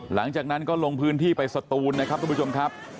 หลังจากนั้นก็ลงพื้นที่ไปสตูนนะครับทุกผู้ชมครับ